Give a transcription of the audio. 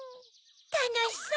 たのしそう！